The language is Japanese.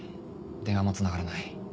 電話もつながらない。